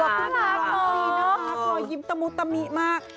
ดีนะครับยิ้มตะมุตตะมิมาก